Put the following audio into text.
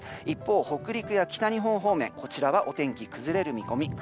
一方、北陸や北日本方面こちらはお天気、崩れる見込み。